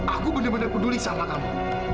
aku benar benar peduli sama kamu